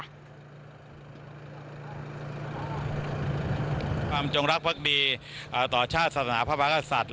จงรักภักดีต่อชาติศาสนาพระมหากษัตริย์